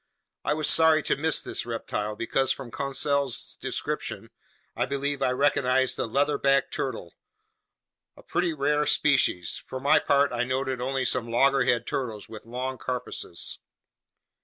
I was sorry to miss this reptile, because from Conseil's description, I believe I recognized the leatherback turtle, a pretty rare species. For my part, I noted only some loggerhead turtles with long carapaces.